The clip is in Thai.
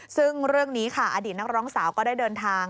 ซึ่งเรื่องนี้ค่ะอดีตนักร้องสาวก็ได้เดินทาง